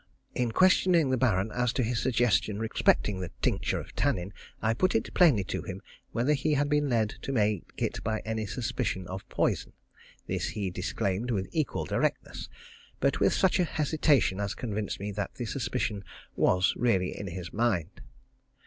In questioning the Baron as to his suggestion respecting the tincture of tannin, I put it plainly to him whether he had been led to make it by any suspicion of poison. This he disclaimed with equal directness, but with such hesitation as convinced me that the suspicion was really in his mind.